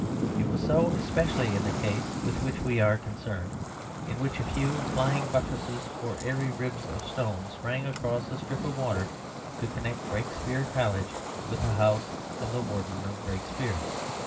It was so especially in the case with which we are concerned, in which a few flying buttresses or airy ribs of stone sprang across a strip of water to connect Brakespeare College with the house of the Warden of Brakespeare.